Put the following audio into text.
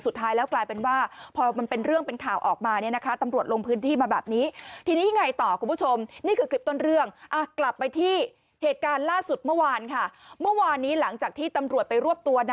สุดท้ายแล้วกลายเป็นว่าพอมันเป็นเรื่องเป็นข่าวออกมาเนี่ยนะคะ